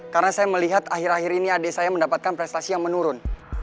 karena saya melihat akhir akhir ini adik saya mendapatkan prestasi yang menurun